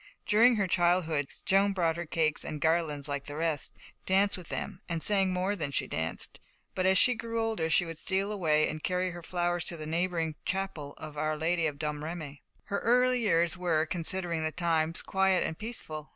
During her childhood, Joan brought her cakes and garlands like the rest, danced with them, and sang more than she danced; but as she grew older, she would steal away and carry her flowers to the neighbouring chapel of Our Lady of Domremy. Her early years were, considering the times, quiet and peaceful.